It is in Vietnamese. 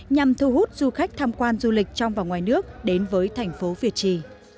nhằm thu hút du khách tham quan du lịch trong và ngoài nước đến với thành phố việt trì